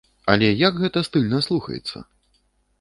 Але як гэта стыльна слухаецца!